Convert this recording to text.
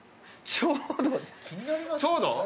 ちょうど？